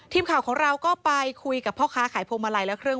ทีมข่าวของเราก็ไปคุยกับพ่อค้าขายพวงมาลัยและเครื่อง